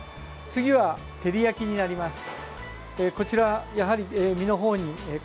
次は照り焼きになります。